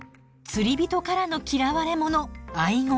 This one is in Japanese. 釣り人からの嫌われ者アイゴ。